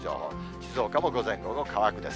静岡も午前、午後乾くです。